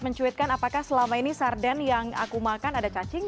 mencuitkan apakah selama ini sarden yang aku makan ada cacing